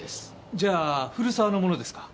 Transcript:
じゃあ古沢のものですか？